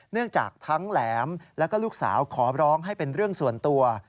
เนื่องจากทั้งแหลมแล้วก็ลูกสาวขอร้องให้เป็นเรื่องส่วนตัว